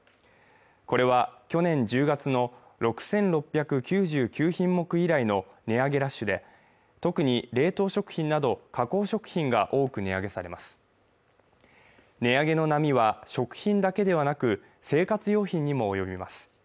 これは去年１０月の６６９９品目以来の値上げラッシュで特に冷凍食品など加工食品が多く値上げされます値上げの波は食品だけではなく生活用品にも及びます